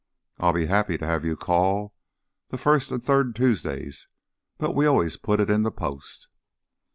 I'll be happy to have you call the first and third Tuesdays; but we always put it in the Post."